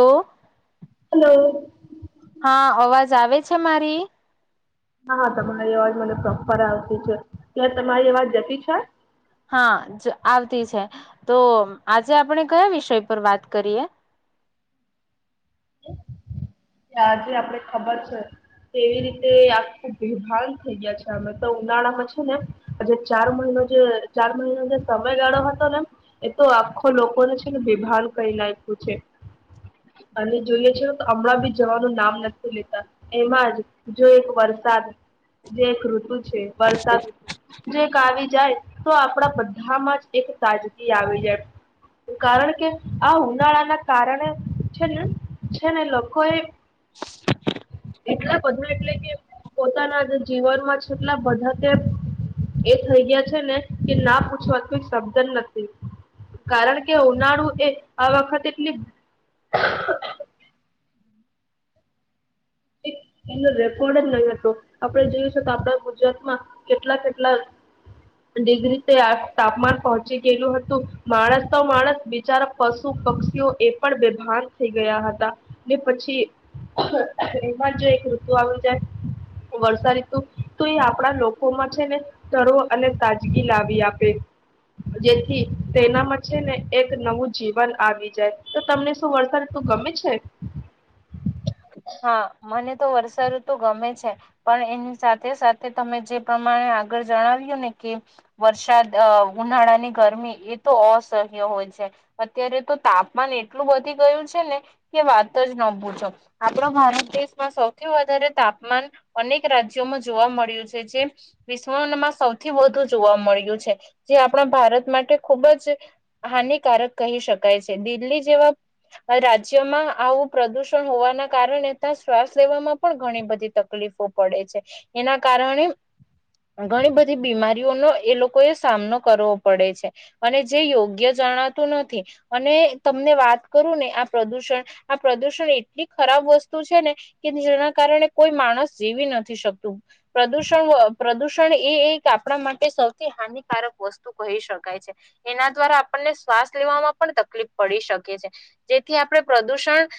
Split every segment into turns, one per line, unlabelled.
તો
હલો
હા અવાજ આવે છ મારી
હા હા તમારી અવાજ મને પ્રોપર આવતી છે તં તમારી અવાજ જતી છે
હા આવતી છે તો આજે આપણે કયા વિષય પર વાત કરીએ
આજે આપણે ખબર છે એવી રીતે આખું બેભાન થઈ ગયા છે અમે તો ઉનાળામાં છે ને આજ ચાર મહિનો જે ચાર મહિનોનો જે સમયગાળો હતો ને એ તો આખો લોકોને છે ને બેભાન કરી લ્યું છે અને જોઈએ છે હમણાં બી જવાનું નામ નથી લેતા એમાં જ જો એક વરસાદ જે એક ઋતુ વરસાદ આવી જાય તો આપણા બધામાં જ એક તાજગી આવી જાય કારણ કે આ ઉનાળાના કારણે છેને છે ને લોકો એ એટલા બધા એટલે કે પોતાના જીવનમાં એટલા બધા એ થઈ ગયા છે ને કે ના પૂછવા કોઈ શબ્દ નથી કારણ કે ઉનાળુ એ આ વખતે એટલી એ રેકોર્ડ જ નહી હતો આપણે જોય છે તો આપણા ગુજરાતમાં કેટલા કેટલા ડિગ્રી તાપમાન પહોંચી ગયેલું હતું માણસ તો માણસ બિચારા પશુ પક્ષીઓ એ પણ બેભાન થઈ ગયા હતા ને પછી તેમાં જો એક ઋતુ આવી જાય વર્ષા ઋતુ તો એ આપણા લોકોમાં છે ને ધરો અને તાજગી લાવી આપે જેથી તેનામાં છે ને એક નવું જીવન આવી જાય તો તમને શું વર્ષા ઋતુ ગમે છે
હા મને તો વરસાદ તો ગમે છે પણ એની સાથે સાથે તમે જે પ્રમાણે આગળ જણાવ્યું ને કે વરસાદ ઉનાળાની ગરમી એ તો અસહ્ય હોય છે અત્યારે તો તાપમાન એટલું વધી ગયું છે ને કે વાત જ ન ભૂજો આપણા ભારત દેશમાં સૌથી વધારે તાપમાન અનેક રાજ્યોમાં જોવા મળ્યું છે જે વિશ્વમાં સૌથી વધુ જોવા મળ્યું છે જે આપણા ભારત માટે ખુબ જ હાનિકારક કહી શકાય છે દિલ્હી જેવા રાજ્યમાં આવું પ્રદુષણ હોવા કારણે શ્વાસ લેવામાં પણ ઘણી બધી તકલીફો પડે છે એના કારણે ઘણી બધી બીમારીઓનો એ લોકોએ સામનો કરવો પડે છે અને જે યોગ્ય જણાતું નથી અને તમને વાત કરું ને આ પ્રદુષણ આ પ્રદુષણ એટલી ખરાબ વસ્તુ છે ને કે જેના કારણે કોઈ માણસ જીવી નથી શકતું પ્રદુષણ પ્રદૂષણ એ એક આપણા માટે સૌથી હાનિકારક વસ્તુ કહી શકાય છે એના દ્વારા આપણને શ્વાસ લેવામાં પણ તકલીફ પડી શકે છે જેથી આપણે પ્રદુષણ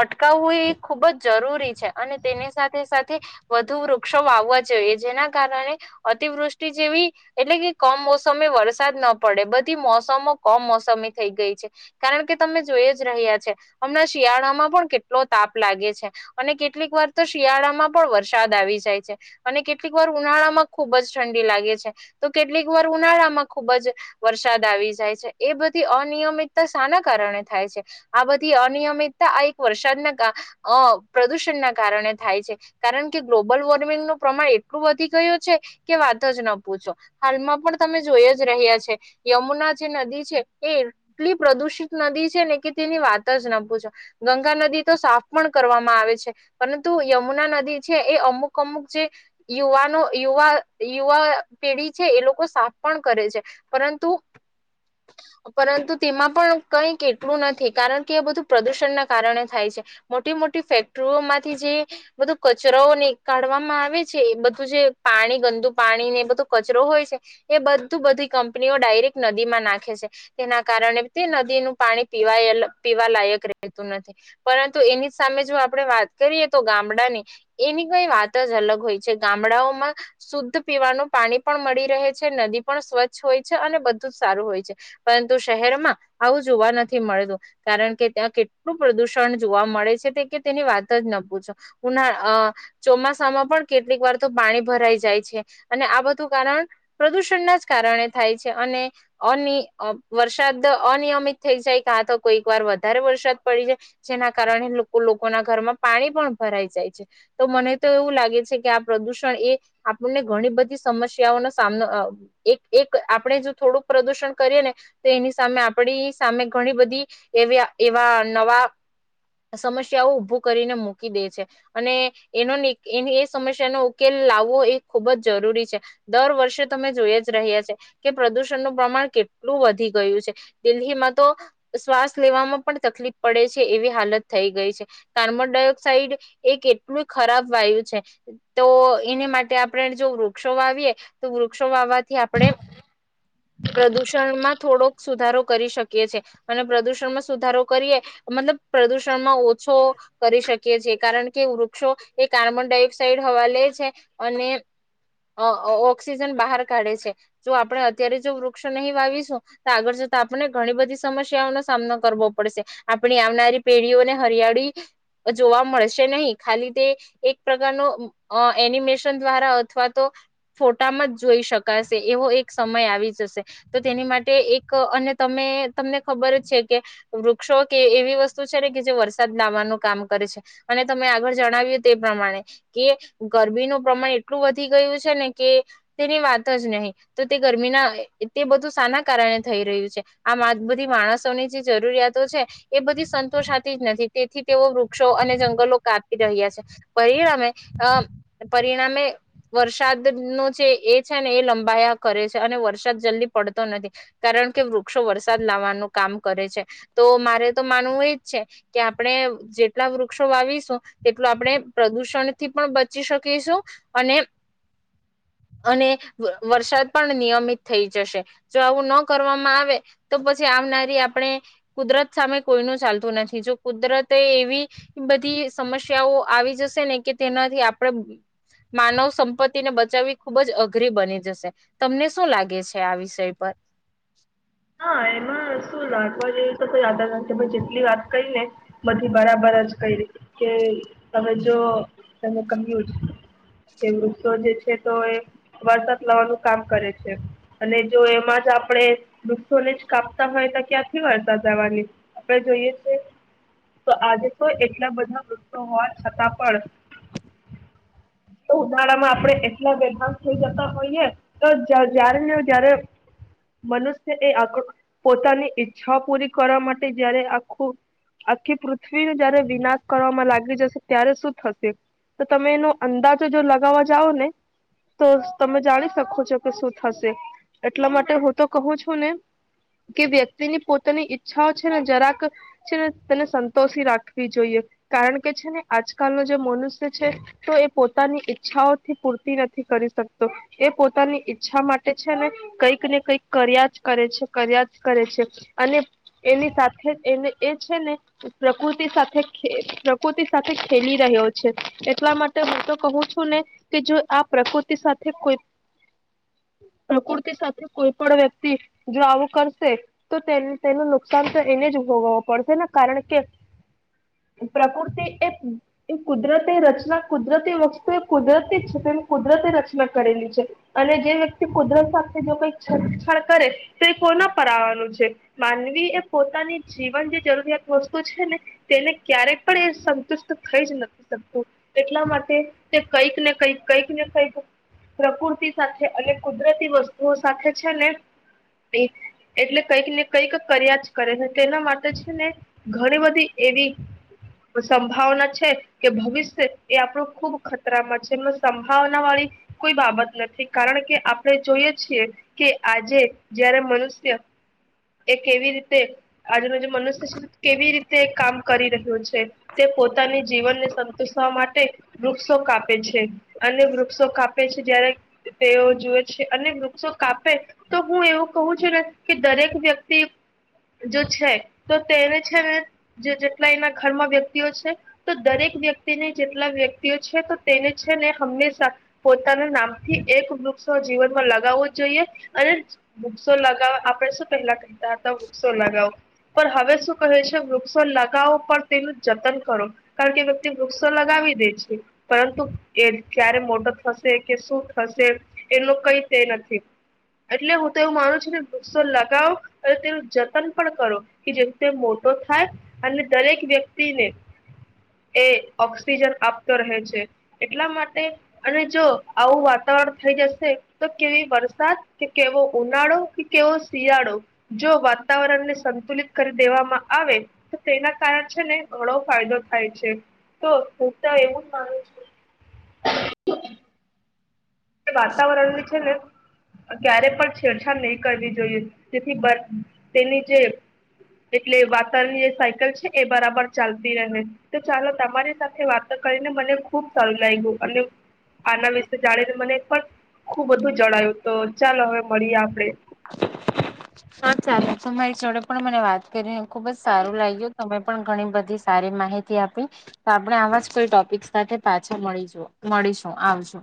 અટકાવવું એ ખૂબ જ જરૂરી છે અને તેની સાથે સાથે વધુ વૃક્ષો વાવવા જોઈએ જેના કારણે અતિવૃષ્ટિ જેવી એટલે કે કમ મોસમેી વરસાદ ન પડે બધી મોસમો કમ મોસમી થઈ ગઈ છે કારણ કે તમે જોઈ જ રહ્યા છે હમણાં શિયાળામાં પણ કેટલો તાપ લાગે છે અને કેટલીક વાર તો શિયાળામાં પણ વરસાદ આવી જાય છે અને કેટલીક વાર ઉનાળામાં ખુબ જ ઠંડી લાગે છે તો કેટલીક વાર ઉનાળામાં ખુબ જ વરસાદ આવી જાય છે એ બધી અનિયમિતતા શાના કારણે થાય છે આ બધી અનિયમિતતા આ વરસાદના પ્રદુષણ ના કારણે થાય છે કારણ કે ગ્લોબલ વોર્મિંગ ન પ્રમાણ એટલું વધી ગું છે કે વાત જ ન પૂછો હાલમાં પણ તમે જોઈ જ રહ્યા છે યમુના જે નદી છે એ એટલી પ્રદુષિત નદી છે ને કે તેની વાત જ ન પૂછો ગંગા નદી તો સાફ પણ કરવામાં આવે છે પરંતુ યમુના નદી છે એ અમુક અમુક જે યુવાનો યુવા યુવા પેઢી છે એ લોકો સાફ પણ કરે છે પરંતુ પરંતુ તેમાં પણ કઈક એટલું નથી કારણ કે એ બધું પ્રદુષણના કારણે થાય છે મોટી મોટી ફેક્ટરીઓ માંથી જે બધું કચરાઓ ની કાઢવામાં આવે છે બધું જે પાણી ગંદુ પાણી ને બધું કચરો હોય છે એ બધું બધી કંપનીઓ ડાયરેક્ટ નદીમાં નાખે છે તેના કારણે તે નદીનુંું પાણી પીવા પીવા લાયક રહે પરંતુ એની સામે જો આપણે વાત કરીએ તો ગામડાની એની કઈ વાત જ અલગ હોય છે ગામડાઓમાં શુદ્ધ પીવાનું પાણી પણ મળી રહે છે નદી પણ સ્વચ્છ હોય છે અને બધું જ સારું હોય છે પરંતુ શહેરમાં આવું જોવા નથી મળતું કારણ કે ત્યાં કે પ્રદૂષણ જોવા મળે છે તે કે તેની વાત જ ન પૂછો ઉનાળા ચોમાસામાં પણ કેટલીક વાર તો પાણી ભરાઈ જાય છે અને આ બધું કારણ પ્રદુષણના જ કારણે થાય છે અને અ વરસાદ અનિયમિત થઈ જાય કા તો કોઈક વાર વધારે વરસાદ પ જેના કારણે લોકો લોકોના ઘરમાં પાણી પણ ભરાઈ જાય છે તો મને તો એવું લાગે છે કે આ પ્રદુષણ એ આપણને ઘણી બધી સમસ્યાઓનો સામનો એક આપણે જો થોડુંક પ્રદુષણ કરીએ ને તો એની સામે આપડી સામે ઘણી બધી એવા નવા સમસ્યાઓ ઉભું કરીને મૂકી દે છે અને એનો એ એ સમસ્યાનો ઉકેલ લાવવો એ ખૂબ જ જરૂરી છે દર વર્ષે તમે જોઈ જ ર્યા છ છે કે પ્રદુષણનુંું પ્રમાણ કેટલું વધી ગયું છે દિલ્હીમાં તો શ્વાસ લેવામાં પણ તકલીફ પડે છે એવી હાલત થઈ ગઈ છે કાર્બન ડાયોક્સાઇડ એક એટલું ખરાબ વાયુ છે તો એને માટે આપણે જો વૃક્ષો વાવીએ તો વૃક્ષો વાવવાથી આપણે પ્રદુષણમાં થોડોક સુધારો કરી શકીએ છેએ અને પ્રદુષણમાં સુધારો કરીએ મતલબ પ્રદુષણમાં ઓછો કરી શકીએ છીએ કારણ કે વૃક્ષો એ કાર્બન ડાયોક્સાઇડ હવા લે છે અને ઓક્સિજન બહાર કાઢે છે જો આપણે અત્યારે જો વૃક્ષો નહીં વાવીશું તો આગળ જતા આપણે ઘણી બધી સમસ્યાઓનોો સામનો કરવો પડશે આપણી આવનારી પેઢીઓને હરિયાળી જોવા મળશે નહીં ખાલી તે એક પ્રકારનો એનિમેશન દ્વારા અથવા તો ફોટામાં જ જોઈ શકાશે એવો એક સમય આવી જશે તો તેની માટે એક અને તમે તમને ખબર જ છે કે વૃક્ષો એ વસ્તુને કે જે વરસાદ લાવવાનું કામ કરે છે અને તમે આગળ જણાવ્યું તે પ્રમાણે કે ગરમીનું પ્રમાણ એટલું વધી ગયું છે ને કે તેની વાત જ નહીં તો તે ગરમીના તે બધું સાના કારણે થઈ રહ્યું છે આ બધી માણસોની જે જરૂરિયાતો છે એ બધી સંતોષતી જ નથી તેથી તેઓ વૃક્ષો અને જંગલો કાપી રહ્યા છે પરિણામે અ પરિણામે વરસાદ ન જે એ છે ને એ લંબાયા કરે છે અને વરસાદ જલ્દી પડતો નથી કારણ કે વૃક્ષો વરસાદ લાવવાનું કામ કરે છે તો મારે તો માનવું એ જ છે કે આપણે જેટલા વૃક્ષો વાવીશું તેટલું આપણે પ્રદુષણ થી પણ બચી શકીશું અને અને વરસાદ પણ નિયમિત થઈ જશે જો આવું ન કરવામાં આવે તો પછી આવનારી આપણે કુદરત સામે કોઈનું ચાલતું નથી જો કુદરતે એવી બધી સમસ્યાઓ આવી જશે ને કે તેનાથી આપણે માનવ સંપત્તિને બચાવવી ખુબ જ અઘરી બની જશે તમને શું લાગે છે આ વિષય પર
હા એમાં શું લખવા જેવ તો તો ધ કે જેટલી વાત કઈ ને બધી બરાબર જ કઈ રીતે કે તવે જો તમે કહ્યું જ કે વૃધો જે છે તો એ વરસાદ લવાનું કામ કરે છે અને જો એમાં જ આપણે વૃક્ષોને જ કાપતા હોય તો ક્યાંથી વર્તા જવાની આપણે જોઈએ છીએ તો આજે તો એટલા બધા વૃક્ષો હોવા છતાં પણ ઉનાળામાં આપણે એટલા વેભાન થઈ જતા હોઈએ તો જ્યારે ને જારે મનુષ્ય પોતાની ઈચ્છાઓ પૂરી કરવા માટે જયારે આખું આખી પૃથ્વીને જયારે વિનાશ કરવામાં લાગી જશે ત્યારે શું થશે તો તમે એનો અંદાજ જો લગાવવા જાઓ ને તો તમે જાણી શકો છો કે શું થશે એટલા માટે હું તો કહું છ કે વ્યક્તિની પોતાની ઈચ્છાઓ છે ને જરાક છે ને તેને સંતોષી રાખવી જોઈએ કારણ કે છે ને આજકાલનો જે મનુષ્ય છે તો એ પોતાની ઈચ્છાઓથી પૂરતી નથી કરી શકતો એ પોતાની ઈચ્છા માટે છે ને કંઈક ને કંઈક કર્યા જ કરે છે કર્યા જ કરે છે અને એની સાથે એને એ છે ને પ્રકૃતિ સાથે પ્રકૃતિ સાથે ખેલી રહ્યો છે એટલા માટે હું તો કહું છું ને કે જો આ પ્રકૃતિ સાથે કોઈ પ્રકૃતિ સાથે કોઈ પણ વ્યક્તિ જો આવું કરશે તો તે તેનું નુકસાન તો એને જ ભોગવું પડશે ને કારણ કે પ્રકૃતિ એ કુદરતી રચના કુદરતી વસ્તુ એ કુદરતી જ તેમ કુદરતી રચના કરેલી છે અને જે વ્યક્તિ કુદરત સાથે જો કઈક છતછાડ કરે કોના પર આવવાનું છે માનવી એ પોતાની જીવન જે જરૂરિયાત વસ્તુ છે ને તેને ક્યારે પણ એ સંતુષ્ટ થઈ જ નથી શકતું એટલા માટે તે કંઈક ને કંઈક કંઈક ને કઈક પ્રકૃતિ સાથે અને કુદરતી વસ્તુઓ સાથે છે ને એટલે કંઈક ને કંઈક કર્યા જ કરે છે તેના માટે છે ને ઘણી બધી એવી સંભાવના છે કે ભવિષ્ય એ આપણું ખુબ ખતરામાં છે એ સંભાવના વાળી કોઈ બાબત નથી કારણ કે આપણે જોઈએ છીએ કે આજે જયારે મનુષ્ય એ કેવી રીતે આજેનું જે મનુષ્ય છે કેવી રીતે કામ કરી રહ્યો છે તે પોતાની જીવનને સંતુષવા માટે વૃક્ષો કાપે છે અને વૃક્ષો કાપે છે જ્યારે તેઓ જુએ છે અને વૃક્ષો કાપે તો હું એવું કહું છું ને કે દરેક વ્યક્તિ જો છે તો તેને છે ને જે જેટલા એના ઘરમાં વ્યક્તિઓ છે તો દરેક વ્યક્તિને જેટલા વ્યક્તિઓ છે તો તેને છે ને હંમેશા પોતાના નામથી એક વૃક્ષો જીવનમાં લગાવવો જોઈએ અને વૃક્ષો લગવા આપણે શું પહેલા કહેતા હતા વૃક્ષો લગાવો પણ હવે શું કહે છે વૃક્ષો લગાવો પણ તેનું જતન કરો કારણ કે વ્યક્તિ વૃક્ષો લગાવી દે છે પરંતુ એ ક્યારે મોટો થશે કે શું થશે એનું કઈ તે નથી એટલે હું હું તો એવું માનું છું કે વૃક્ષો લગાવો અને તેનું જતન પણ કરો કે જે રીતે મોટો થાય અને દરેક વ્યક્તિને એ ઓક્સિજન આપતો રહે છે એટલા માટે અને જો આવું વાતાવરણ થઈ જશે તો કેવી વરસાદ કે કેવો ઉનાળો કે કેવો શિયાળો જો વાતાવરણને સંતુલિત કરી દેવામાં આવે તો તેના કારણ છે ને ઘણો ફાયદો થાય છે તો હું તો એવું જ માનું છું. વાતાવરણની છે ને ક્યારે પણ છેડછાડ નહીં કરવી જોઈએ તેથી બ તેની જે એટલે વાતાવરણની જે સાયકલ છે એ બરાબર ચાલતી રહે તો ચાલો તમારી સાથે વાતો કરીને મને ખુબ સારું લાગ્યું અને આના વિશે જાણી મને પણ ખુબ બધું જણાયું તો ચાલો હવે મળીએ આપડે.
હ ચાલે તમારી છોડો પણ મને વાત કરીને ખુબ જ સારું લાગ્યું. તમે પણ ઘણી બધી સારી માહિતી આપી તો આપણે આવા જ કોઈ ટોપિક સાથે પાછા મળીશુ મળીશું આવજો.